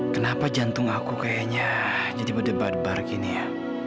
kenapa jantung aku kayaknya jadi berdebar debar gini ya